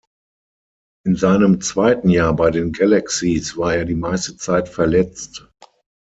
In seinem zweiten Jahr bei den Galaxies war er die meiste Zeit verletzt.